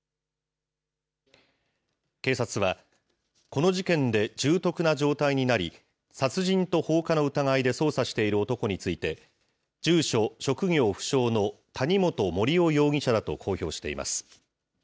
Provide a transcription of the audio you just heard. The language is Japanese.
警察はこの事件で重篤な状態になり、殺人と放火の疑いで捜査している男について、住所職業不詳の谷本盛雄容疑者だと公表しています。